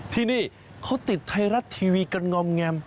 ที่นี่เขาติดไทยรัฐทีวีกันงอมแงม